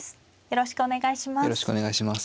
よろしくお願いします。